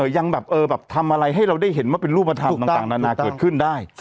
ยังแบบทำอะไรให้เราได้เห็นว่าเป็นรูปธรรมต่างนานาเกิดขึ้นได้